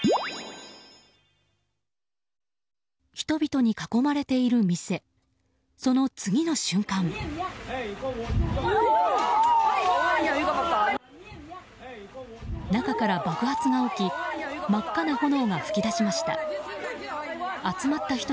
人々に囲まれている店その次の瞬間、中から爆発が起き真っ赤な炎が噴き出しました。